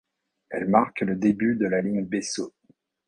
Elle marque le début de la ligne Bessho.